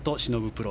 プロ。